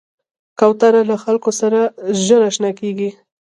کوتره له خلکو سره ژر اشنا کېږي.